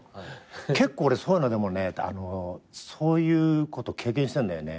結構俺そういうのでもねそういうこと経験してんだよね